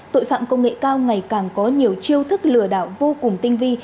tội phạm công nghệ cao ngày càng có nhiều chiêu thức lừa đảo vô cùng tinh vi